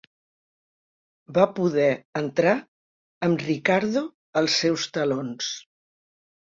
Va poder entrar amb Ricardo als seus talons.